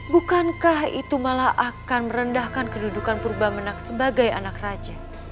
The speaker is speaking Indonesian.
bukankah itu malah akan merendahkan kedudukan purba menak sebagai anak raja